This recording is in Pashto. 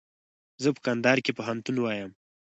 زه په کندهار کښي پوهنتون وایم.